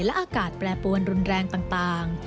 และอากาศแปรปวนรุนแรงต่าง